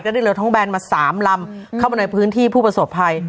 ได้เรือท้องแบนมาสามลำเข้ามาในพื้นที่ผู้ประสบภัย